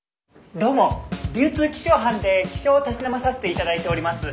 どうも流通気象班で気象をたしなまさせていただいております